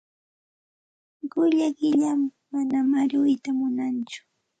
Quwaa qilam, manam aruyta munantsu.